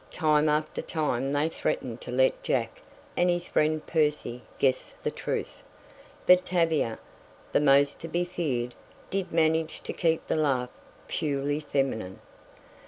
Time after time they threatened to let Jack, and his friend Percy, guess the truth, but Tavia, the most to be feared, did manage to keep the laugh purely feminine.